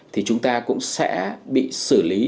thì chúng ta cũng sẽ bị xử lý